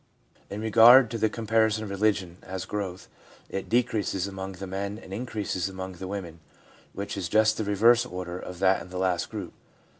In regard to the comparison of religion as growth, it decreases among the men and increases among the women, which is just the reverse order of that in the last group.